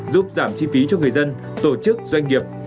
giúp giảm chi phí cho người dân tổ chức doanh nghiệp